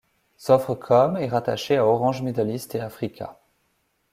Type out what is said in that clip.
Sofrecom est rattachée à Orange Middle East & Africa.